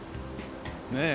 ねえ。